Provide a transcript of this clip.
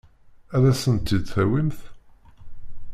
Ad asen-t-id-tawimt?